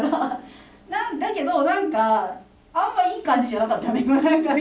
だけど何かあんまいい感じじゃなかったね